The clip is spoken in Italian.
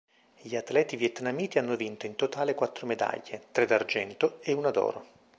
Gli atleti vietnamiti hanno vinto in totale quattro medaglie, tre d'argento e una d'oro.